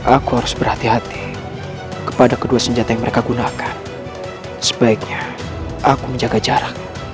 aku harus berhati hati kepada kedua senjata yang mereka gunakan sebaiknya aku menjaga jarak